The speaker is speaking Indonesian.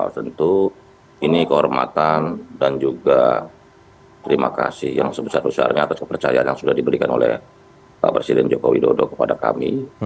tentu ini kehormatan dan juga terima kasih yang sebesar besarnya atas kepercayaan yang sudah diberikan oleh pak presiden joko widodo kepada kami